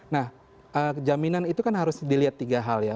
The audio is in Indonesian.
nah jaminan itu kan harus dilihat tiga hal ya